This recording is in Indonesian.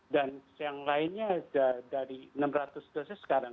dan yang lainnya dari enam ratus dosis sekarang